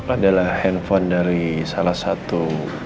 adalah handphone dari salah satu